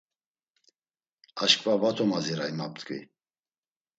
Aşǩva va to maziray ma p̌t̆ǩvi.